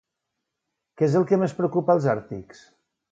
Què és el que més preocupa als àrtics?